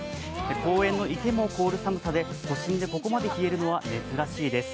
公園の池も凍る寒さで、都心でここまで冷えるのは珍しいです。